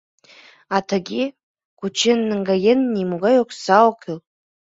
А тыге, кучен наҥгаен, нимогай окса ок кӱл.